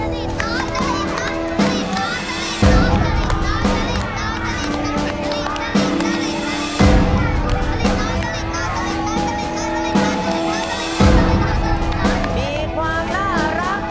มีความน่ารักมีความสุขมีเสน่ห์มีเทคนิคในการร้อง